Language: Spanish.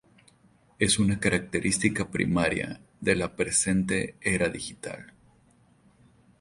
Es una característica primaria de la presente Era Digital.